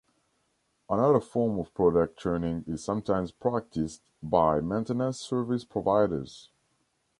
Another form of product churning is sometimes practiced by maintenance service providers.